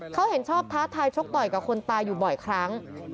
เขาเห็นชอบท้าทายชกต่อยกับคนตายอยู่บ่อยครั้ง